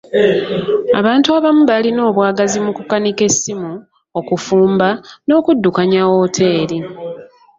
Abantu abamu baalina obwagazi mu kukanika essimu, okufumba, n'okuddukanya wooteeri.